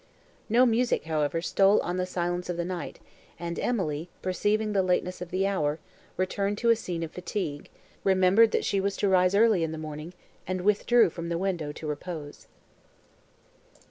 No music, however, stole on the silence of the night, and Emily, perceiving the lateness of the hour, returned to a scene of fatigue, remembered that she was to rise early in the morning, and withdrew from the window to repose.